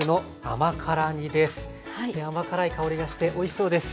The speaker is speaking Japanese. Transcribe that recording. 甘辛い香りがしておいしそうです。